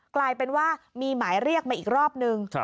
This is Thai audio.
กลายเป็นว่ามีหมายเรียกมาอีกรอบนึง